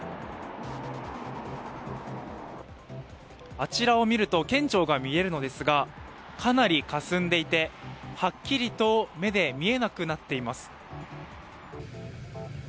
あちらを見ると県庁が見えるのですがかなりかすんでいて、はっきりと目で見えなくなっています。